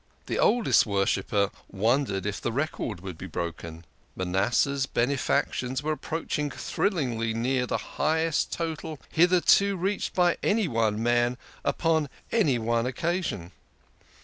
The oldest worshipper wondered if the record would be broken. Manasseh's benefactions were approaching thrill ingly near the highest total hitherto reached by any one man upon any one occasion.